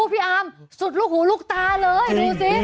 พี่อาร์มสุดลูกหูลูกตาเลยดูสิ